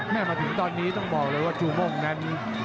มาถึงตอนนี้ต้องบอกเลยว่าจูโม่งนั้น